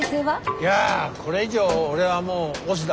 いやぁこれ以上俺はもう押忍だ。